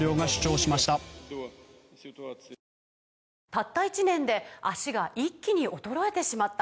「たった１年で脚が一気に衰えてしまった」